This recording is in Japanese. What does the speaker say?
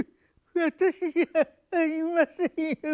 私じゃありませんよ。